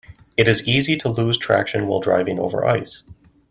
It is easy to lose traction while driving over ice.